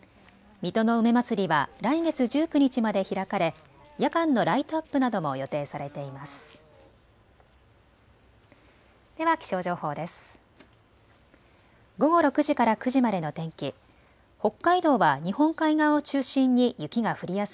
水戸の梅まつりは来月１９日まで開かれ夜間のライトアップなども予定されています。